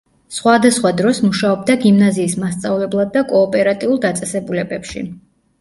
სხვადასხვა დროს მუშაობდა გიმნაზიის მასწავლებლად და კოოპერატიულ დაწესებულებებში.